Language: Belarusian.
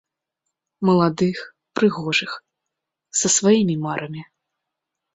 Маладых, прыгожых, са сваімі марамі.